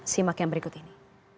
simak yang berikut ini